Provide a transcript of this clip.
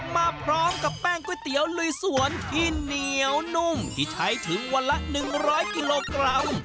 มาพร้อมกับแป้งก๋วยเตี๋ยวลุยสวนที่เหนียวนุ่มที่ใช้ถึงวันละ๑๐๐กิโลกรัม